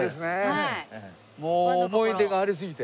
もう思い出がありすぎて。